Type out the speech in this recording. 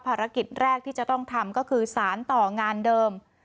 ภารกิจแรกที่จะต้องทำก็คือสารต่องานเดิม